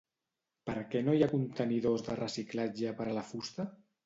Perquè no hi ha contenidors de reciclatge per a la fusta?